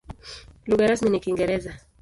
Lugha rasmi ni Kiingereza.